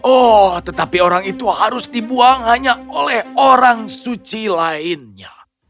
oh tetapi orang itu harus dibuang hanya oleh orang suci lainnya